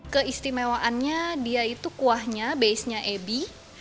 keistimewaannya dia itu kuahnya base nya ebi